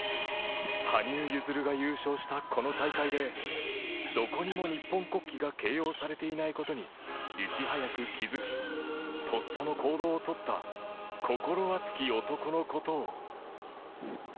羽生結弦が優勝した、この大会でどこにも日本国旗が掲揚されていないことにいち早く気づきとっさの行動をとった心熱き男のことを。